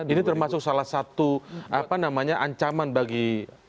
ini termasuk salah satu ancaman bagi agenda meratasan korupsi ya